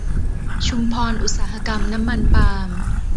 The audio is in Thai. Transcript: ชุมพรอุตสาหกรรมน้ำมันปาล์ม